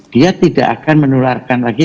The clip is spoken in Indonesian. dia tidak akan menularkan lagi